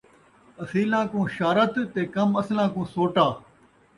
اصیلاں کو شارت تے کم اصلاں کوں سوٹا